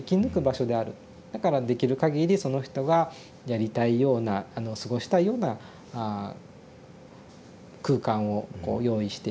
だからできるかぎりその人がやりたいような過ごしたいような空間をこう用意していく。